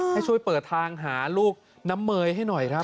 ให้ช่วยเปิดทางหาลูกน้ำเมย์ให้หน่อยครับ